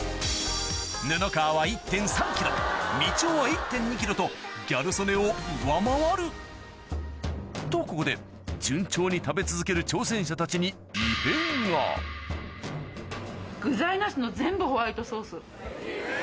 布川は１．３ｋｇみちおは１．２ｋｇとギャル曽根を上回るとここで順調に食べ続ける挑戦者たちに具材なしの全部ホワイトソース。